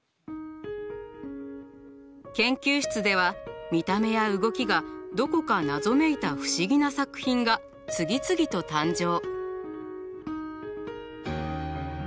研究室では見た目や動きがどこか謎めいた不思議な作品が次々と誕生。